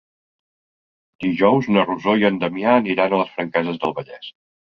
Dijous na Rosó i en Damià aniran a les Franqueses del Vallès.